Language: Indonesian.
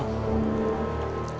udah ngebetah di terminal